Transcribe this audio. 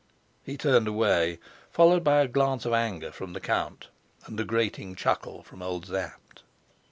He turned away, followed by a glance of anger from the count and a grating chuckle from old Sapt.